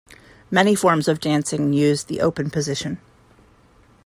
Many forms of dancing use the open position.